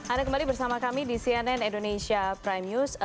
anda kembali bersama kami di cnn indonesia prime news